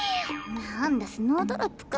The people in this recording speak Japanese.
なんだスノードロップか。